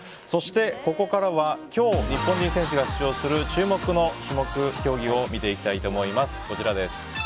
そして、ここからは今日、日本人選手が出場する注目の競技を見ていきたいと思います。